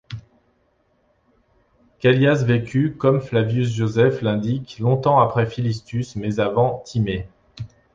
Callias vécut, comme Flavius Josèphe l'indique, longtemps après Philistus, mais avant Timée.